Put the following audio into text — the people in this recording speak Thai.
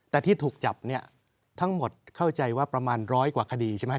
แต่ที่ถูกจับเนี่ยทั้งหมดเข้าใจว่าประมาณร้อยกว่าคดีใช่ไหม